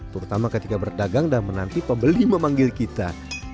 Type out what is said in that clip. terutama ketika berdagang dan menanti pembeli memanggil kita